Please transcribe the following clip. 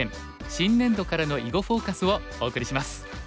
新年度からの囲碁フォーカス」をお送りします。